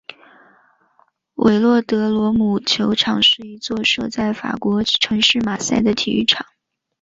韦洛德罗姆球场是一座设在法国城市马赛的体育场。